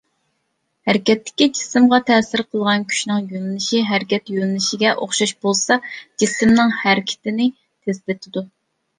ھەرىكەتتىكى جىسىمغا تەسىر قىلغان كۈچنىڭ يۆنىلىشى ھەرىكەت يۆنىلىشىگە ئوخشاش بولسا، جىسىمنىڭ ھەرىكىتىنى تېزلىتىدۇ.